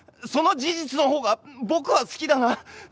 その事実のほうが僕は好きだなあ。